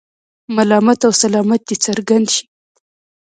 ملامت او سلامت دې څرګند شي.